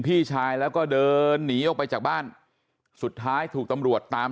พี่ชายแล้วก็เดินหนีออกไปจากบ้านสุดท้ายถูกตำรวจตาม